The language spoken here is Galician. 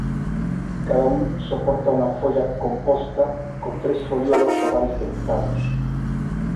Cada un soporta unha folla composta con tres folíolos ovais dentados.